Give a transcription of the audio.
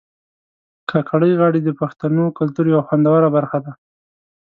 کاکړۍ غاړي د پښتنو کلتور یو خوندوره برخه ده